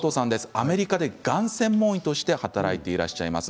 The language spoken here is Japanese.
アメリカでがん専門医として働いています。